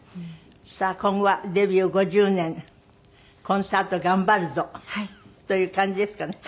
さあ今後はデビュー５０年コンサート頑張るぞという感じですかね？